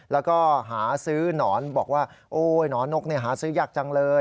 แล้วก็หาซื้อหนอนบอกว่าโอ๊ยหนอนนกหาซื้อยากจังเลย